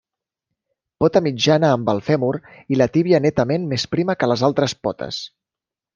Pota mitjana amb el fèmur i la tíbia netament més prima que les altres potes.